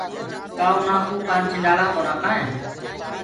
ڪآ اُنآ ڪوُ ڪآنڇنڊآزݪآ ڪونآ کآئينٚ۔